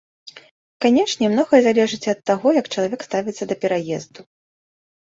Канешне, многае залежыць і ад таго, як чалавек ставіцца да пераезду.